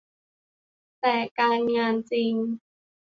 แต่การงานจริง